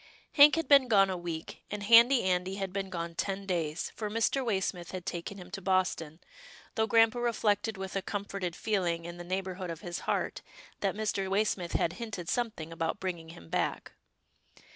Hank had been gone a week, and Handy Andy had been gone ten days, for Mr. Waysmith had taken him to Boston, though grampa reflected with a comforted feeling in the neighbourhood of his heart, that Mr. Waysmith had hinted something about bringing him back.